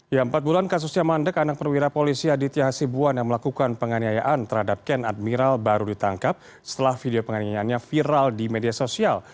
ya empat bulan kasusnya mandek anak perwira polisi aditya hasibuan yang melakukan penganiayaan terhadap ken admiral baru ditangkap setelah video penganiayaannya viral di media sosial